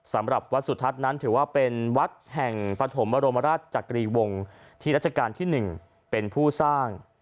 สำหรับวัดสุทัศน์นั้นถือว่าเป็นวัดแห่งปฐมบรมราชจักรีวงศ์ที่รัชกาลที่๑เป็นผู้สร้าง